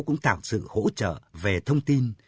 cũng tạo sự hỗ trợ về thông tin